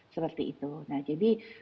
seperti itu nah jadi